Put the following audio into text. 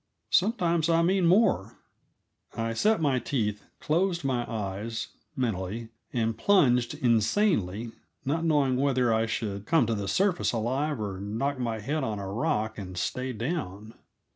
Sometimes I mean more." I set my teeth, closed my eyes mentally and plunged, insanely, not knowing whether I should come to the surface alive or knock my head on a rock and stay down.